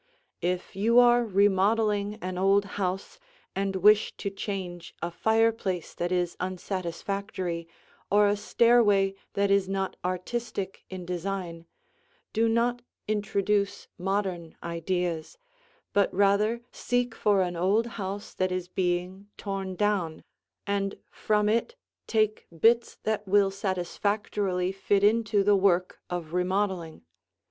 If you are remodeling an old house and wish to change a fireplace that is unsatisfactory or a stairway that is not artistic in design, do not introduce modern ideas, but rather seek for an old house that is being torn down and from it take bits that will satisfactorily fit into the work of remodeling.